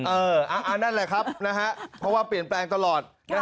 นั่นแหละครับนะฮะเพราะว่าเปลี่ยนแปลงตลอด